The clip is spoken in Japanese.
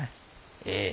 ええ。